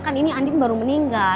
kan ini andin baru meninggal